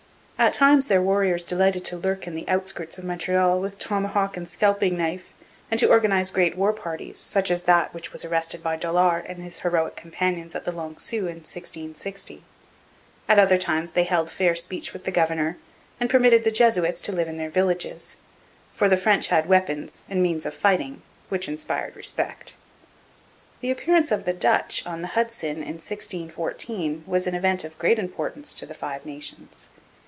At times their warriors delighted to lurk in the outskirts of Montreal with tomahawk and scalping knife and to organize great war parties, such as that which was arrested by Dollard and his heroic companions at the Long Sault in 1660. At other times they held fair speech with the governor and permitted the Jesuits to live in their villages, for the French had weapons and means of fighting which inspired respect. The appearance of the Dutch on the Hudson in 1614 was an event of great importance to the Five Nations.